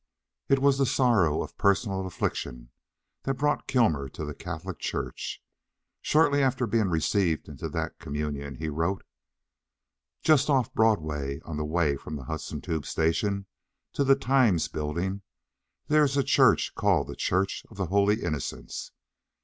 It was the sorrow of personal affliction that brought Kilmer to the Catholic Church. Shortly after being received into that communion he wrote: Just off Broadway on the way from the Hudson Tube Station to the Times Building, there is a church called the Church of the Holy Innocents.